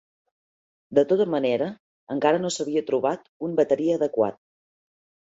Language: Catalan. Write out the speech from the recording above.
De tota manera, encara no s'havia trobat un bateria adequat.